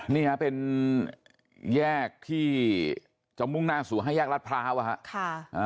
เนี่ยเป็นแยกที่จมุ่งหน้าสู่ให้แยกรัฐพร้าวค่ะ